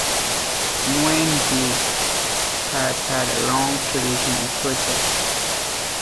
Muine Bheag has had a long tradition in cricket.